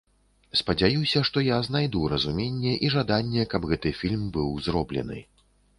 Спадзяюся, што я знайду разуменне і жаданне каб гэты фільм быў зроблены.